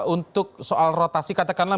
untuk soal rotasi katakanlah